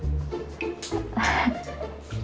อะไร